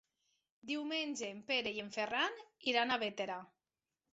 Diumenge en Pere i en Ferran iran a Bétera.